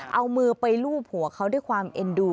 เอามือไปลูบหัวเขาด้วยความเอ็นดู